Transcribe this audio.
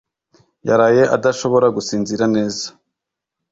yaraye adashobora gusinzira neza